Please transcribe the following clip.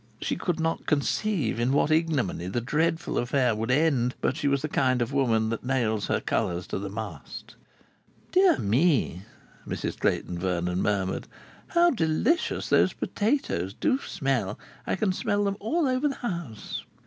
She could not conceive in what ignominy the dreadful affair would end, but she was the kind of woman that nails her colours to the mast. "Dear me!" Mrs Clayton Vernon murmured. "How delicious those potatoes do smell! I can smell them all over the house."